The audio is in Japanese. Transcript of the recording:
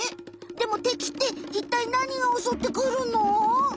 でもてきっていったい何がおそってくるの？